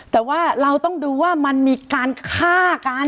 แต่ว่าเราต้องดูว่ามันมีการฆ่ากัน